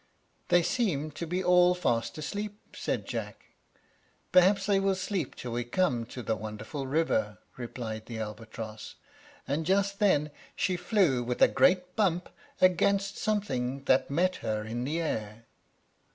"They seem to be all fast asleep," said Jack. "Perhaps they will sleep till we come to the wonderful river," replied the albatross; and just then she flew with a great bump against something that met her in the air.